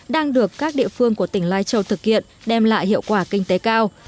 đang được các địa phương của tỉnh lai châu thực hiện đem lại hiệu quả kinh tế cao